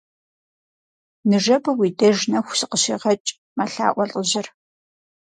Ныжэбэ уи деж нэху сыкъыщегъэкӀ, - мэлъаӀуэ лӀыжьыр.